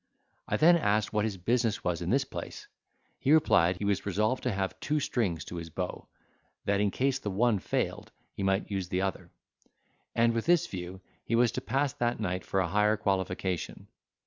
I then asked what his business was in this place; he replied, he was resolved to have two strings to his bow, that in case the one failed, he might use the other; and, with this view, he was to pass that night for a higher qualification.